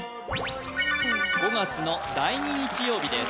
５月の第２日曜日です